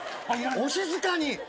お静かに。